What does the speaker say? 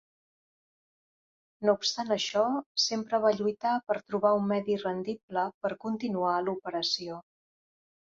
No obstant això, sempre va lluitar per trobar un medi rendible per continuar l'operació.